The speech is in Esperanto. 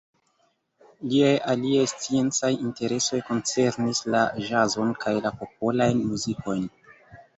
Liaj aliaj sciencaj interesoj koncernis la ĵazon kaj la popolajn muzikojn.